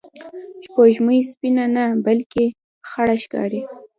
سپوږمۍ سپینه نه، بلکې خړه ښکاري